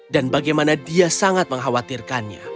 dan bagaimana dia sangat mengkhawatirkannya